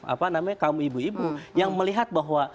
apa namanya kaum ibu ibu yang melihat bahwa